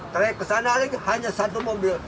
trayek ke sana lagi hanya satu mobil